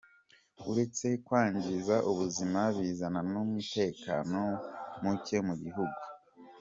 Uretse kwangiza ubuzima bizana n’umutekano muke mu gihugu.